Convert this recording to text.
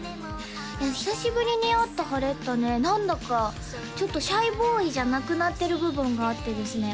久しぶりに会ったハレッタね何だかちょっとシャイボーイじゃなくなってる部分があってですね